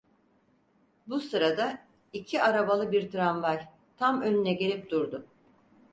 Bu sırada iki arabalı bir tramvay, tam önüne gelip durdu.